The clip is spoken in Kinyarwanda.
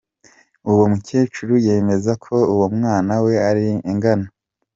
Uwo mukecuru yemeza ko uwo mwana we arengana.